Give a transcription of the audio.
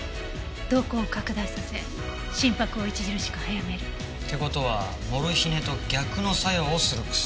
瞳孔を拡大させ心拍を著しく早める。って事はモルヒネと逆の作用をする薬。